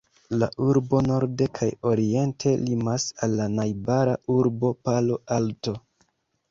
La urbo norde kaj oriente limas al la najbara urbo Palo Alto.